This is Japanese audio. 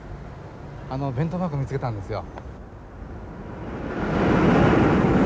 あの弁当箱見つけたんですよ。